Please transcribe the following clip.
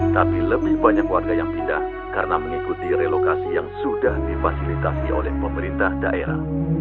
tapi lebih banyak warga yang pindah karena mengikuti relokasi yang sudah difasilitasi oleh pemerintah daerah